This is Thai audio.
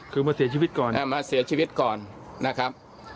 คือมาเสียชีวิตก่อนมาเสียชีวิตก่อนนะครับ